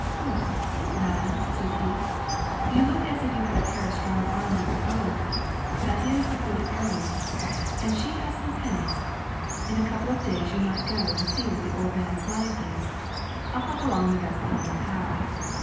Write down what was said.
'Hm, man,' says he, 'you look as if you had a pair of strong arms of your own; that is a good heirloom, and she has some pennies, in a couple of days you might go and see what the old man's mind is. I'll help along the best I know how.'